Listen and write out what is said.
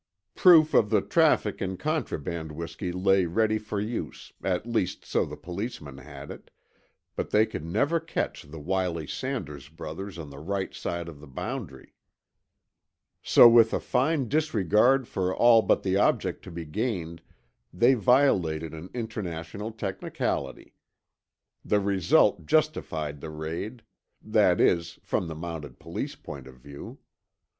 Proof of the traffic in contraband whisky lay ready for use, at least so the Policemen had it—but they could never catch the wily Sanders brothers on the right side of the boundary. So with a fine disregard for all but the object to be gained, they violated an international technicality. The result justified the raid; that is, from the Mounted Police point of view.